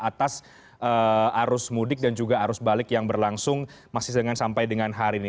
atas arus mudik dan juga arus balik yang berlangsung masih sampai dengan hari ini